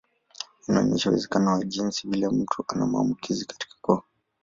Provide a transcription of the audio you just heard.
Inaonyesha uwezekano wa jinsi vile mtu ana maambukizi katika koo.